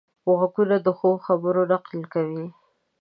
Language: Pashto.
غوږونه د ښو خبرو نقل کوي